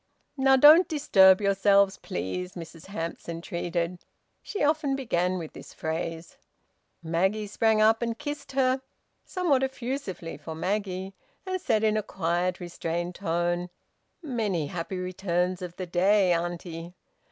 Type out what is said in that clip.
"Now don't disturb yourselves, please," Mrs Hamps entreated. She often began with this phrase. Maggie sprang up and kissed her, somewhat effusively for Maggie, and said in a quiet, restrained tone "Many happy returns of the day, auntie."